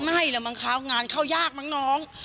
ไม่เหรอบางครั้งงานเข้ายากมากน้อง